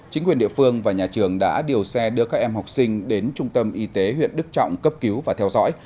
chính quyền địa phương và nhà trường đã điều xe đưa các em học sinh đến trung tâm y tế huyện đức trọng cấp cứu và theo dõi